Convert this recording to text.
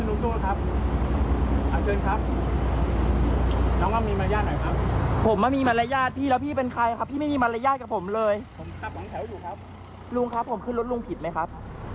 ลุงครับผมขึ้นรถลุงผิดไหมครับ